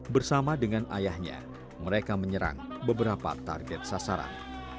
bersama dengan ayahnya mereka menyerang beberapa target sasaran